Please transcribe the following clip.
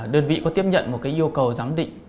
đơn vị có tiếp nhận một cái yêu cầu giám định